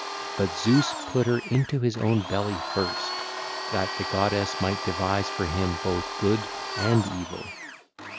But Zeus put her into his own belly first, that the goddess might devise for him both good and evil. (ll.